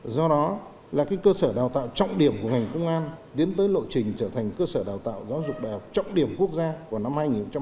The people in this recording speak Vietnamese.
do đó là cơ sở đào tạo trọng điểm của ngành công an tiến tới lộ trình trở thành cơ sở đào tạo giáo dục đào trọng điểm quốc gia của năm hai nghìn hai mươi năm